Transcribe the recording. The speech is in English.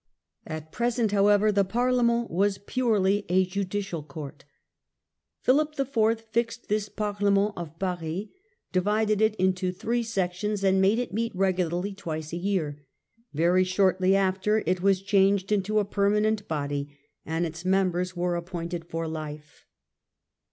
At present, however, the Parliament was purely a judicial court. Philip IV. fixed this Parliament at Paris, divided it into three sections and made it meet regularly twice a year ; very shortly after it was changed into a permanent body, and its members were appointed for life.